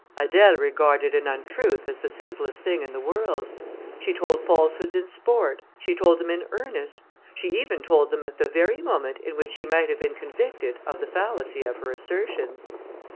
Adèle regarded an untruth as the simplest thing in the world; she told falsehoods in sport; she told them in earnest; she even told them at the very moment in which she might have been convicted of the fallacy of her assertions.